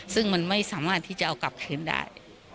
ซึ่งมันไม่สามารถที่จะเอากลับคืนได้